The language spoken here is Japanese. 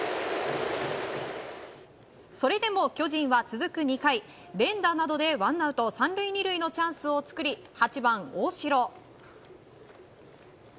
それでも巨人は続く２回連打などでワンアウト３塁２塁のチャンスを作り８番、大城。